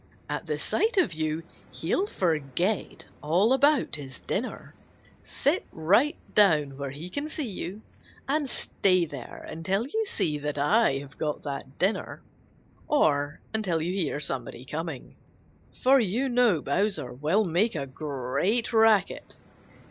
At the sight of you, he'll forget all about his dinner. Sit right down where he can see you and stay there until you see that I have got that dinner, or until you hear somebody coming, for you know Bowser will make a great racket.